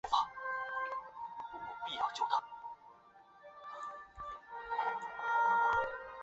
七号镇区是位于美国阿肯色州本顿县的一个行政镇区。